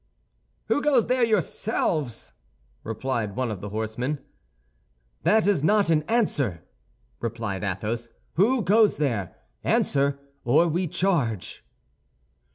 "Who goes there, yourselves?" replied one of the horsemen. "That is not an answer," replied Athos. "Who goes there? Answer, or we charge."